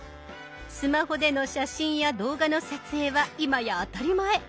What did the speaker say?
スマホでの写真や動画の撮影は今や当たり前。